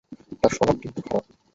তার স্বভাব কিন্তু খারাপ।